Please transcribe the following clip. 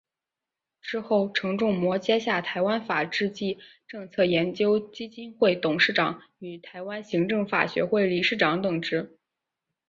之后城仲模接下台湾法治暨政策研究基金会董事长与台湾行政法学会理事长等职。